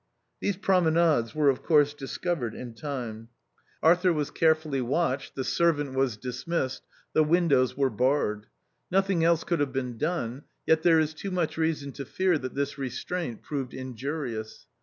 These promenades were of course discovered in time. Arthur was carefullv 12 THE OUTCAST. watched, the servant was dismissed, the windows were barred. Nothing else could have been done, yet there is too much reason to fear that this restraint proved injurious.